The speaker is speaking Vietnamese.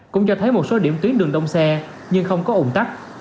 cũng cho thấy một số điểm tuyến đường đông xe nhưng không có ủng tắc